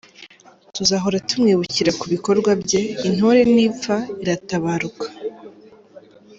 Tuzahora tumwibukira ku bikorwa bye, Intore ntipfa, iratabaruka.